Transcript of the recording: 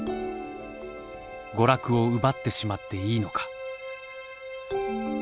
「娯楽を奪ってしまっていいのか！」